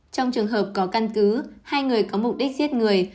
trong trường hợp có căn cứ hai người có mục đích giết người